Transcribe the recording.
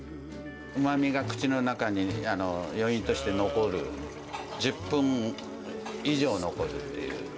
うまみが口の中に余韻として残る、１０分以上残るっていう。